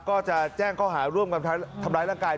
ก็จะแจ้งเขาหาร่วมกันทำร้ายร่างกาย